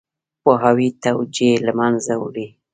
پوهاوی توجیه له منځه وړي.